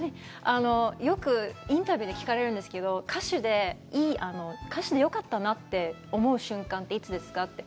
よくインタビューで聞かれるんですけど、歌手で、歌手でよかったなって、思う瞬間っていつですかって。